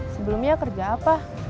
sebelumnya kerja apa